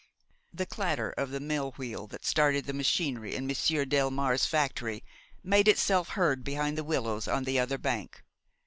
The clatter of the mill wheel that started the machinery in Monsieur Delmare's factory made itself heard behind the willows on the other bank.